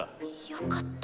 よかった。